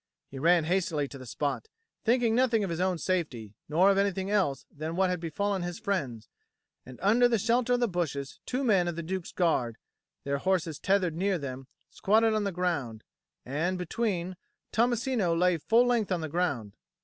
He ran hastily to the spot, thinking nothing of his own safety nor of anything else than what had befallen his friends; and under the shelter of the bushes two men of the Duke's Guard, their horses tethered near them, squatted on the ground, and, between, Tommasino lay full length on the ground.